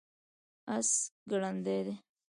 اس ګړندی دی